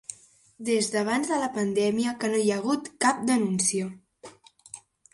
Des d'abans de la pandèmia que no hi ha hagut cap denúncia.